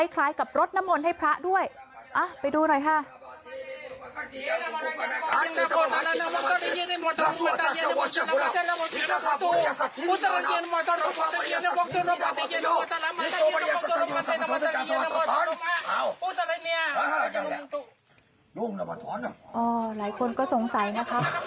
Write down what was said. คล้ายกับรสนมนต์ให้พระด้วยไปดูเลยหลายคนก็สงสัยนะคะ